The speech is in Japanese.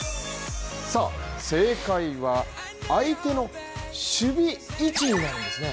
正解は、相手の守備位置になるんですね。